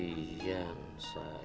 iya enak banget